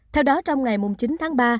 theo đó trong ngày chín tháng ba